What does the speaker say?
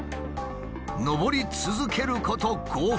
上り続けること５分。